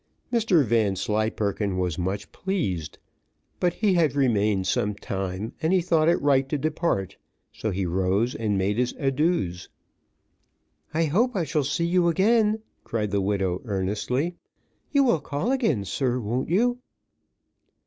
Mr Vanslyperken was much pleased, but he had remained some time, and he thought it right to depart, so he rose and made his adieus. "I hope I shall see you again," cried the widow, earnestly. "You will call again, sir, won't you?"